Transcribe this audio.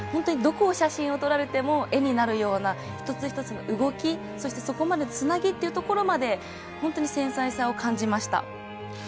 どこの写真を撮られても絵になるような一つ一つの動き、そこまでのつなぎというところまで繊細さを感じました。